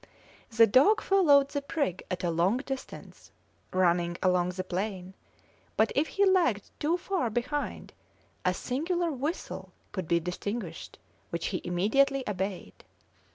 The dog followed the brig at a long distance, running along the plain, but if he lagged too far behind a singular whistle could be distinguished, which he immediately obeyed.